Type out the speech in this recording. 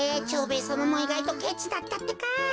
蝶兵衛さまもいがいとケチだったってか。